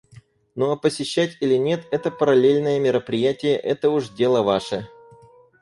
Ну а посещать или нет это параллельное мероприятие — это уж дело ваше.